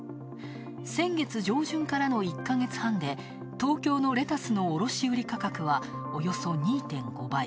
先月上旬からの１ヶ月半で東京のレタスの卸売価格はおよそ２．５倍。